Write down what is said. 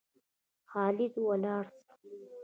خالده ولاړ سه!